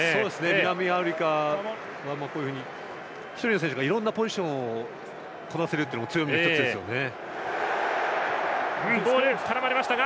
南アフリカはこういうふうに１人の選手がいろんなポジションこなせるのも強みの１つですよね。